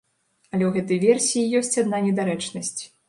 Але ў гэтай версіі ёсць адна недарэчнасць.